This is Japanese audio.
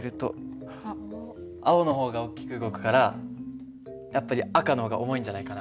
青の方が大きく動くからやっぱり赤の方が重いんじゃないかな。